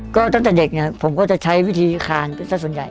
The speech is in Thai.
ก็ตั้งแต่เด็กเนี่ยผมก็จะใช้วิธีคานสักส่วนใหญ่